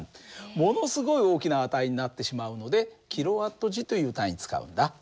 ものすごい大きな値になってしまうのでｋＷｈという単位使うんだ。